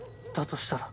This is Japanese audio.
としたら。